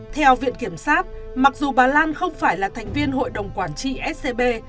theo viện kiểm sát mặc dù bà lan không phải là thành viên hội đồng quản trị scb